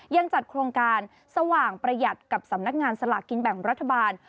ยังจัดโครงการสว่างประหยัดกับสำนักงานสลากกินแบ่งรัฐบาล